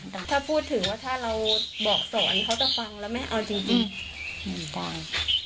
ถ้าพูดถึงว่าถ้าเราบอกสอนเขาต้องฟังแล้วไหมเอาจริง